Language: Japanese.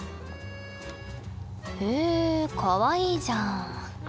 へえかわいいじゃん。